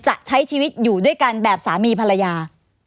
ใช้ชีวิตอยู่ด้วยกันแบบสามีภรรยา